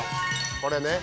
これね。